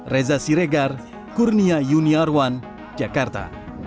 reza siregar kurnia junior one jakarta